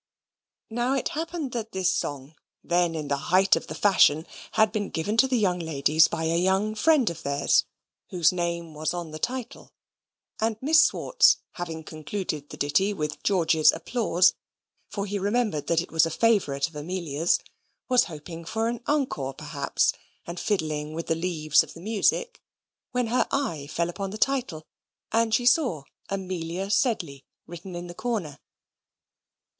Now it happened that this song, then in the height of the fashion, had been given to the young ladies by a young friend of theirs, whose name was on the title, and Miss Swartz, having concluded the ditty with George's applause (for he remembered that it was a favourite of Amelia's), was hoping for an encore perhaps, and fiddling with the leaves of the music, when her eye fell upon the title, and she saw "Amelia Sedley" written in the comer.